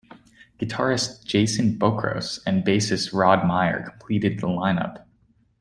Guitarist Jason Bokros and bassist Rod Meyer completed the lineup.